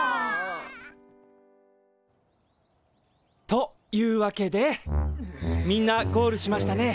というわけでみんなゴールしましたね。